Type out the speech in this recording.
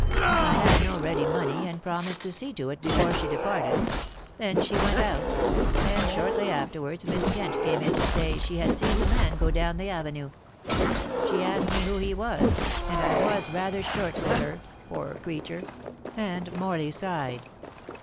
I had no ready money, and promised to see to it before she departed. Then she went out, and shortly afterwards Miss Kent came in to say she had seen the man go down the avenue. She asked me who he was, and I was rather short with her, poor creature!" and Morley sighed.